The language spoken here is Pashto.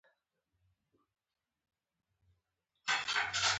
ایا زما میرمن به له ما څخه راضي وي؟